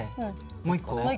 もう一個。